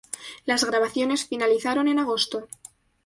Las grabaciones, finalizaron en agosto.